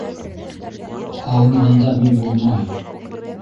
Һағынғанда мин булмам...